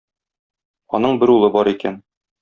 Аның бер улы бар икән.